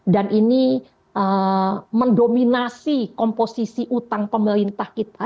dan ini mendominasi komposisi utang pemerintah kita